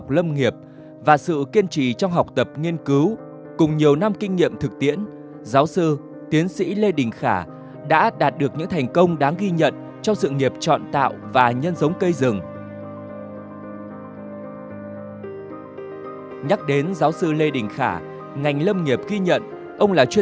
trong sự kiên trì trong học tập nghiên cứu cùng nhiều năm kinh nghiệm thực tiễn giáo sư lê đình khả đã đạt được những thành công đáng ghi nhận trong sự nghiệp chọn tạo và nhân giống cây rừng mới